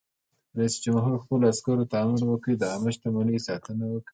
رئیس جمهور خپلو عسکرو ته امر وکړ؛ د عامه شتمنیو ساتنه وکړئ!